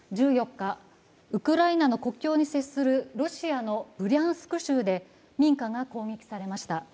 １４日、ウクライナの国境に接するロシアのブリャンスク州で民家が攻撃されました。